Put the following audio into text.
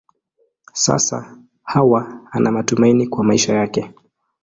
Sasa Hawa ana matumaini kwa maisha yake.